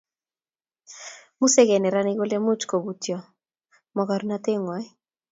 museigei neranik kole much kubotio mokornateng'wang'